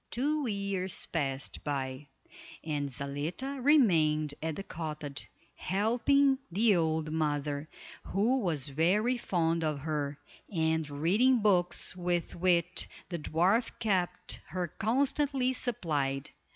Two years passed by and Zaletta remained at the cottage, helping the old mother, who was very fond of her, and reading books with which the dwarf kept her constantly supplied.